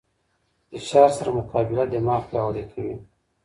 فشار سره مقابله دماغ پیاوړی کوي.